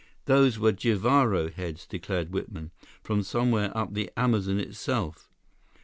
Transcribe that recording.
"Those were Jivaro heads," declared Whitman, "from somewhere up the Amazon itself.